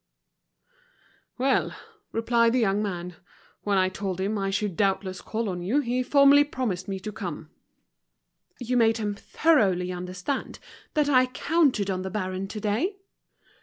"Well," replied the young man, "when I told him I should doubtless call on you he formally promised me to come." "You made him thoroughly understand that I counted on the baron today?"